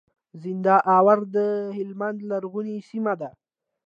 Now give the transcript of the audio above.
زينداور د هلمند لرغونې سيمه ده.